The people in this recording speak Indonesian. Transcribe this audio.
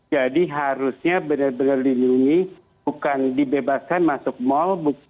jadi harusnya benar benar dilindungi bukan dibebaskan masuk mal